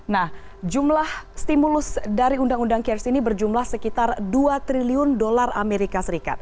nah jumlah stimulus dari undang undang kirs ini berjumlah sekitar dua triliun dolar amerika serikat